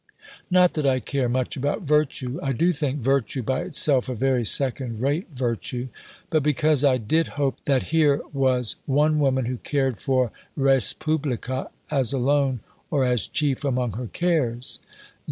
Not that I care much about virtue: I do think 'virtue' by itself a very second rate virtue. But because I did hope that here was one woman who cared for respublica as alone, or as chief, among her cares."